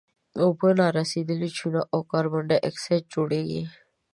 اوبه نارسیدلې چونه او کاربن ډای اکسایډ جوړیږي.